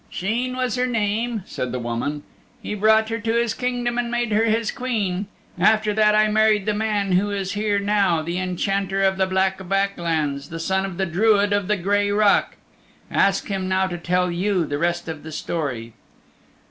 "Sheen was her name," said the woman. "He brought her to his Kingdom, and made her his queen. After that I married the man who is here now the Enchanter of the Black Back Lands, the Son of the Druid of the Gray Rock. Ask him now to tell you the rest of the story."